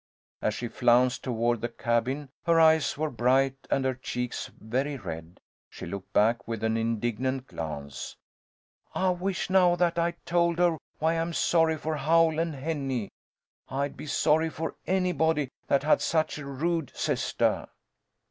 As she flounced toward the cabin, her eyes very bright and her cheeks very red, she looked back with an indignant glance. "I wish now that I'd told her why I'm sorry for Howl and Henny. I'd be sorry for anybody that had such a rude sistah!"